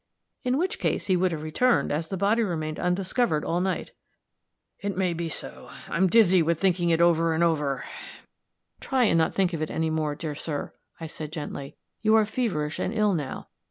"In which case, he would have returned, as the body remained undiscovered all night." "It may be so. I am dizzy with thinking it over and over." "Try and not think any more, dear sir," I said, gently. "You are feverish and ill now.